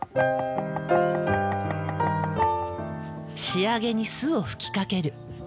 仕上げに酢を吹きかける。